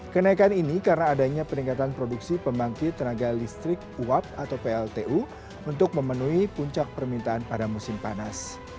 kenaikan ini karena adanya peningkatan produksi pembangkit tenaga listrik uap atau pltu untuk memenuhi puncak permintaan pada musim panas